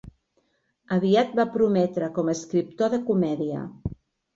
Aviat va prometre com a escriptor de comèdia.